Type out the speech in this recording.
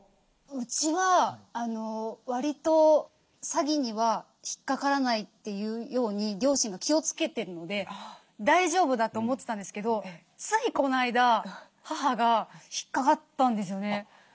うちはわりと詐欺には引っかからないというように両親が気をつけてるので大丈夫だと思ってたんですけどついこの間母が引っかかったんですよね。